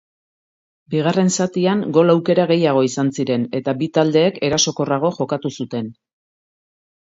Bigarren zatian gol aukera gehiago izan ziren eta bi taldeek erasokorrago jokatu zuten.